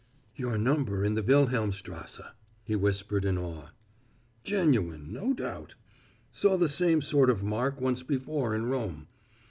"Your number in the Wilhelmstrasse," he whispered in awe. "Genuine, no doubt. Saw the same sort of mark once before in Rome.